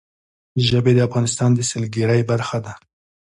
ژبې د افغانستان د سیلګرۍ برخه ده.